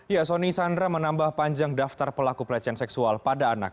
ya soni sandra menambah panjang daftar pelaku pelecehan seksual pada anak